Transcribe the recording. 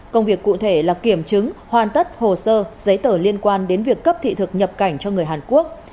công việc cụ thể là kiểm chứng hoàn tất hồ sơ giấy tờ liên quan đến việc cấp thị thực nhập cảnh cho người hàn quốc